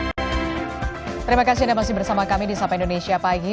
mas gun gun terima kasih sudah bersama kami di sapa indonesia pagi